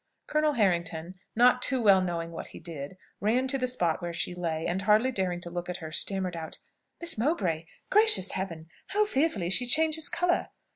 Colonel Harrington, not too well knowing what he did, ran to the spot where she lay, and hardly daring to look at her, stammered out "Miss Mowbray! Gracious Heaven, how fearfully she changes colour!